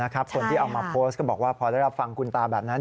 คนที่เอามาโพสต์ก็บอกว่าพอได้รับฟังคุณตาแบบนั้น